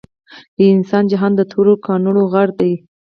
د انسان جهان د تورو کانړو غر دے